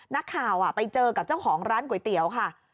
นักข่าวไปเจอกับเจ้าของร้านก๋วยเตี๋ยวค่ะ